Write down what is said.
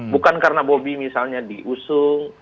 bukan karena bobi misalnya diusung